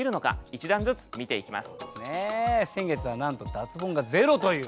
一段ずつ見ていきます。